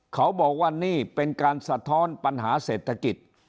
เขาบอกว่านี่เป็นการสะท้อนปัญหาเศรษฐกิจ